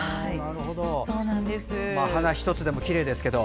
花１つでもきれいですけど